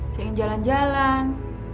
saya ingin jalan jalan